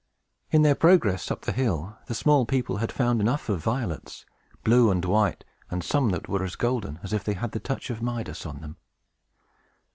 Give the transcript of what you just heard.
In their progress up the hill, the small people had found enough of violets, blue and white, and some that were as golden as if they had the touch of Midas on them.